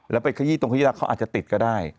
แล้วไปขยี้ตรงขยี้แล้วเขาอาจจะติดก็ได้